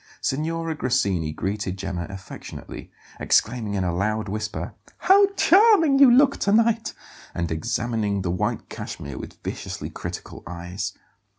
Signora Grassini greeted Gemma affectionately, exclaiming in a loud whisper: "How charming you look to night!" and examining the white cashmere with viciously critical eyes.